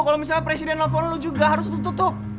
kalau misalnya presiden nelfonan lo juga harus tutup tutup